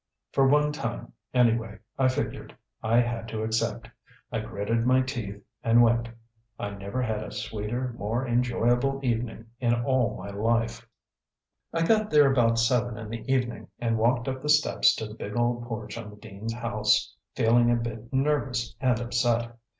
For one time, anyway, I figured I had to accept. I gritted my teeth and went. I never had a sweeter, more enjoyable evening in all my life. I got there about seven in the evening and walked up the steps to the big old porch on the dean's house feeling a bit nervous and upset.